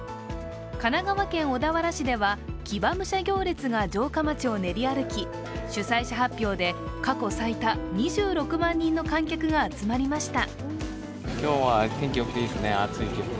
神奈川県小田原市では、騎馬武者行列が城下町を練り歩き、主催者発表で過去最多、２６万人の観客が集まりました。